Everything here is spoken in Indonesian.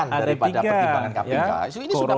ini sudah menyatakan loh